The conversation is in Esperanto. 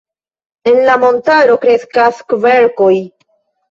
En la montaro kreskas kverkoj.